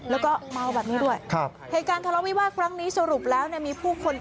แล้วก็มาเอาแบบนี้ด้วยในการทะเลาวิวาดครั้งนี้สรุปแล้วมีผู้คน